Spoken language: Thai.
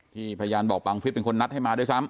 พยานบอกบังฟิศเป็นคนนัดให้มาด้วยซ้ำ